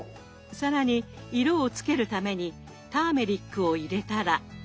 更に色をつけるためにターメリックを入れたら。